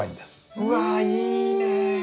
うわいいね。